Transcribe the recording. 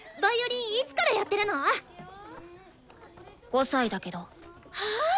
５歳だけど。は！